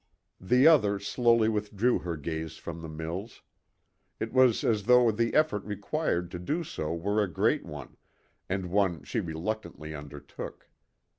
The other slowly withdrew her gaze from the mills. It was as though the effort required to do so were a great one, and one she reluctantly undertook.